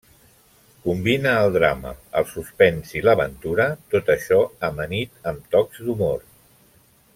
Combina el drama, el suspens i l'aventura, tot això amanit amb tocs d'humor.